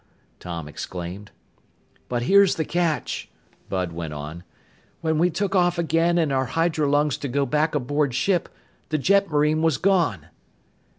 Tom exclaimed. "But here's the catch," Bud went on. "When we took off again in our hydrolungs to go back aboard ship, the jetmarine was gone!"